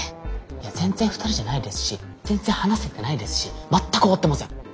いや全然２人じゃないですし全然話せてないですし全く終わってません。